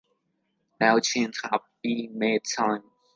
No changes have been made since.